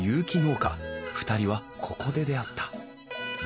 ２人はここで出会った。